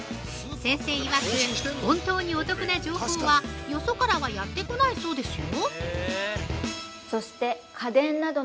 先生いわく、本当にお得な情報はよそからはやってこないそうですよ。